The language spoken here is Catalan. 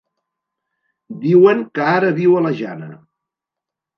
Diuen que ara viu a la Jana.